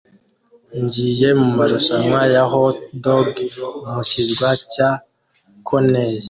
Ngiye mumarushanwa ya hotdog mu kirwa cya Coney